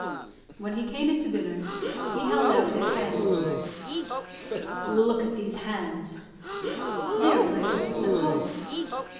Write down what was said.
When he came in to dinner, he held out his hands to me. "Look at these hands." "They are blistered with the hoe."